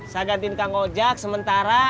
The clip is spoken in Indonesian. saya gantiin kak ojak sementara